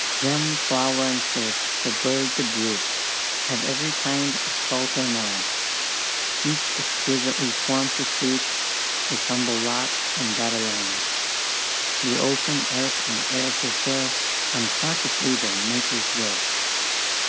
"Gem, flower, and fish, the bird, the brute, Of every kind occult or known (Each exquisitely form'd to suit Its humble lot, and that alone), Through ocean, earth, and air fulfil Unconsciously their Maker's will."